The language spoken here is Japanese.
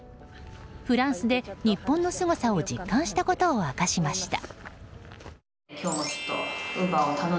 フランスで日本のすごさを実感したことを明かしました。